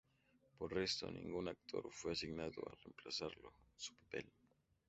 Por respeto, ningún actor fue asignado a reemplazarlo en su papel.